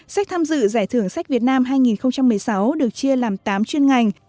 sách tham dự giải thưởng sách việt nam hai nghìn một mươi sáu được chia làm tám chuyên ngành